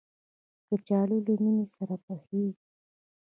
کچالو له مېنې سره پخېږي